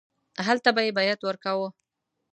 هلته به یې بیعت ورکاوه.